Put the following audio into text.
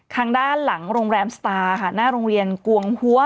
ทางด้านหลังโรงแรมสตาร์ค่ะหน้าโรงเรียนกวงหัว